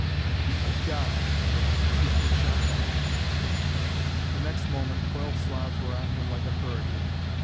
"My God!" muttered Lance. "He's been shot down!" The next moment the twelve Slavs were on him like a hurricane.